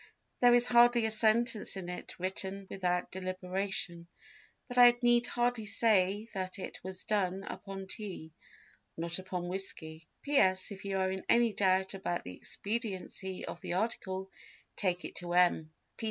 There is hardly a sentence in it written without deliberation; but I need hardly say that it was done upon tea, not upon whiskey ... "P.S. If you are in any doubt about the expediency of the article take it to M.